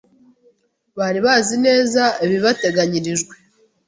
Bari bazi neza ibibateganyirijwe.